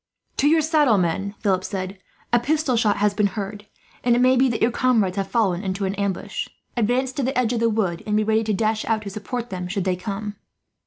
"To your saddle, men," Philip said. "A pistol shot has been heard, and it may be that your comrades have fallen into an ambush. Advance to the edge of the wood, and be ready to dash out to support them, should they come."